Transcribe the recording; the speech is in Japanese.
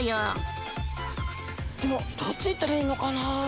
でもどっち行ったらいいのかな？